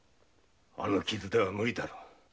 あの傷では無理だ。